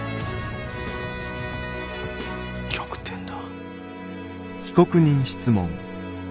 逆転だ。